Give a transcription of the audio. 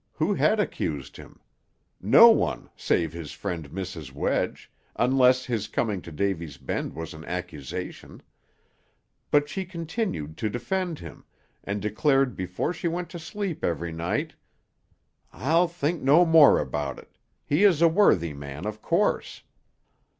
Who had accused him? No one, save his friend Mrs. Wedge, unless his coming to Davy's Bend was an accusation; but she continued to defend him, and declared before she went to sleep every night; "I'll think no more about it; he is a worthy man, of course."